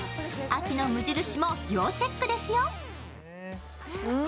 秋の無印も要チェックですよ。